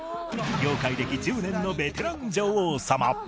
業界歴１０年のベテラン女王様